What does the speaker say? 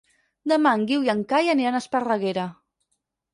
Demà en Guiu i en Cai aniran a Esparreguera.